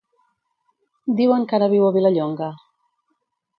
Diuen que ara viu a Vilallonga.